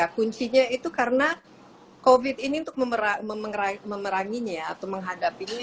kuncinya itu karena covid ini untuk memeranginya atau menghadapinya